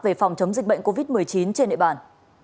về phòng chống dịch bệnh covid một mươi chín trên địa bàn